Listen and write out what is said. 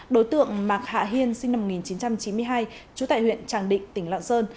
đối tượng mạc hạ hiên sinh năm một nghìn chín trăm chín mươi hai trú tại huyện tràng định tỉnh lạng sơn